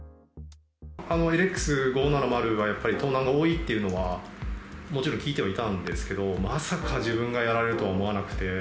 ＬＸ５７０というのは、やっぱり盗難が多いというのは、もちろん聞いてはいたんですけど、まさか自分がやられるとは思わなくて。